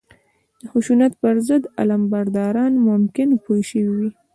د خشونت پر ضد علمبرداران ممکن پوه شوي وي